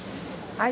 はい。